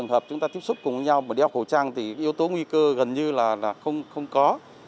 trường hợp chúng ta tiếp xúc cùng với nhau mà đeo khẩu trang thì yếu tố nguy cơ gần như là không có